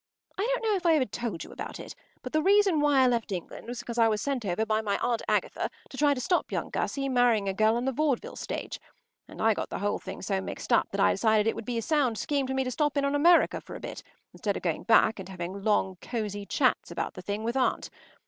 I don’t know if I ever told you about it, but the reason why I left England was because I was sent over by my Aunt Agatha to try to stop young Gussie marrying a girl on the vaudeville stage, and I got the whole thing so mixed up that I decided that it would be a sound scheme for me to stop on in America for a bit instead of going back and having long cosy chats about the thing with aunt.